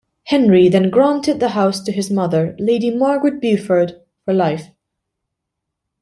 Henry then granted the house to his mother Lady Margaret Beaufort, for life.